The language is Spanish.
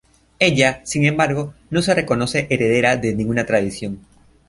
Ella, sin embargo, no se reconoce heredera de ninguna tradición.